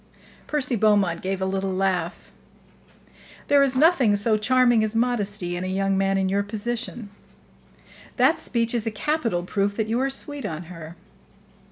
Percy Beaumont gave a little laugh. "There is nothing so charming as modesty in a young man in your position. That speech is a capital proof that you are sweet on her."